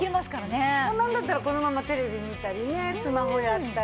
なんだったらこのままテレビ見たりねスマホやったり。